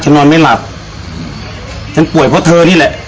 นอนไม่หลับฉันป่วยเพราะเธอนี่แหละ